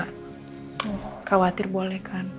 kau khawatir boleh kan